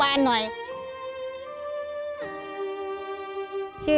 พระราช